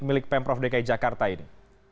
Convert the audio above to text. milik pemprov dki jakarta ini